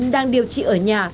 đang điều trị ở nhà